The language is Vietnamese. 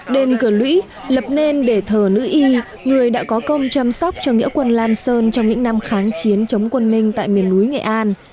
đền cửa lũy lập nên để thờ nữ y người đã có công chăm sóc cho nghĩa quân lam sơn trong những năm kháng chiến chống quân minh tại miền núi nghệ an